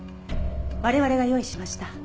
我々が用意しました。